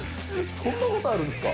そんなことあるんですか？